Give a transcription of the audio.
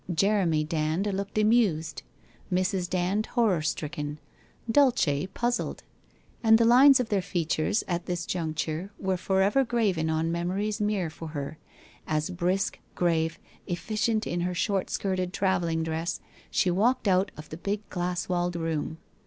Jeremy Dand looked amused, Mrs. Dand horror stricken, Dulce puz zled, and the lines of their features at this juncture were forever graven on memory's mirror for her; as brisk, grave, efficient in her short skirted travelling dress she walked out of the big, glass walled room.